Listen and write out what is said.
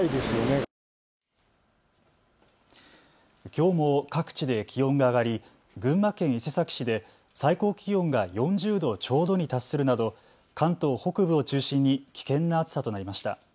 きょうも各地で気温が上がり群馬県伊勢崎市で最高気温が４０度ちょうどに達するなど関東北部を中心に危険な暑さとなりました。